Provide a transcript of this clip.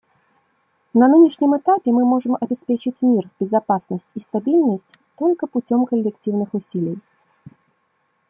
На нынешнем этапе мы можем обеспечить мир, безопасность и стабильность только путем коллективных усилий.